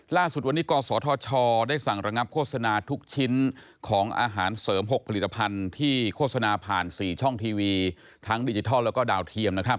ล่าสุดวันนี้กศธชได้สั่งระงับโฆษณาทุกชิ้นของอาหารเสริม๖ผลิตภัณฑ์ที่โฆษณาผ่าน๔ช่องทีวีทั้งดิจิทัลแล้วก็ดาวเทียมนะครับ